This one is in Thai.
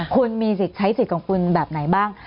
คุณมีสิทธิ์ใช้สิทธิ์ของคุณแบบไหนบ้าง